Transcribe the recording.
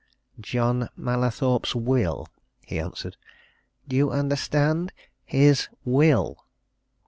"John Mallathorpe's will!" he answered. "Do you understand? His will!"